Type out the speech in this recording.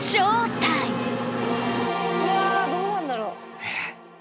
うわどうなるんだろう。